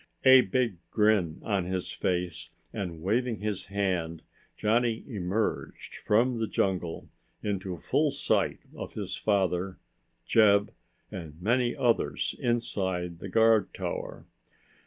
A big grin on his face, and waving his hand, Johnny emerged from the jungle into full sight of his father, Jeb, and many others inside the guard tower.